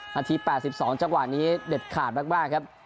นาที๘๒จังหวะนี้เด็ดขาดมากครับ